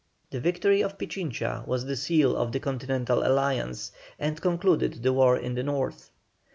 The victory of Pichincha was the seal of the continental alliance, and concluded the war in the North.